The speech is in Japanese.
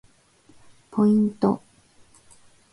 ポイント